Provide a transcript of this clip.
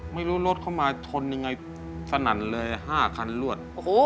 ไม่รู้รถเข้ามาชนยังไงสนั่นเลย๕คันรวด